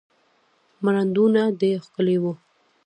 مړوندونه دې ښکلي وه